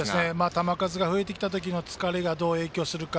球数が増えてきた時の疲れがどう影響するか。